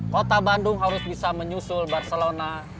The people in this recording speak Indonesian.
kota bandung harus bisa menyusul barcelona